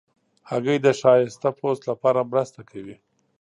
هګۍ د ښایسته پوست لپاره مرسته کوي.